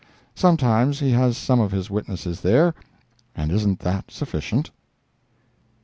Sometimes he has some of his witnesses there, and isn't that sufficient?